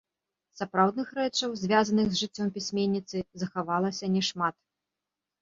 Сапраўдных рэчаў, звязаных з жыццём пісьменніцы, захавалася няшмат.